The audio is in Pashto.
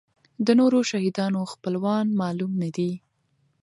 د نورو شهیدانو خپلوان معلوم نه دي.